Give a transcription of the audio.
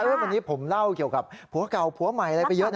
วันนี้ผมเล่าเกี่ยวกับผัวเก่าผัวใหม่อะไรไปเยอะนะ